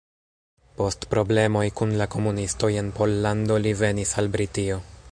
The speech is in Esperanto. Post problemoj kun la komunistoj en Pollando li venis al Britio.